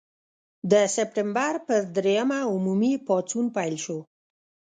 د سپټمبر پر دریمه عمومي پاڅون پیل شو.